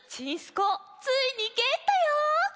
こうついにゲットよ！